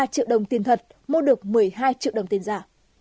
ba triệu đồng tiền thật mua được một mươi hai triệu đồng tiền giả